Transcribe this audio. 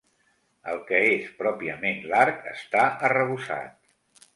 El que és pròpiament l'arc està arrebossat.